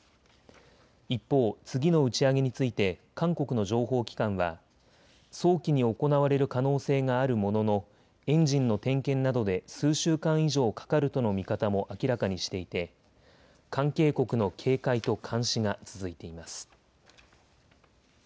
一方、次の打ち上げについて韓国の情報機関は早期に行われる可能性があるもののエンジンの点検などで数週間以上かかるとの見方も明らかにしていて関係国の警戒と監視が続いています。